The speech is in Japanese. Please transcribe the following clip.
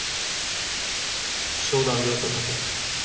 商談で寄っただけやから。